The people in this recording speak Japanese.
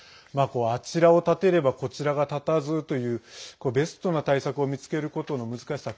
あちらを立てればこちらが立たずというベストな対策を見つけることの難しさ